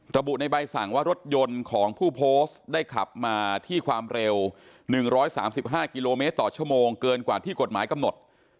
ระบุในใบสั่งว่ารถยนต์ของผู้โพสต์ได้ขับมาที่ความเร็ว๑๓๕กิโลเมตรต่อชั่วโมงเกินกว่าที่กฎหมายกำหนด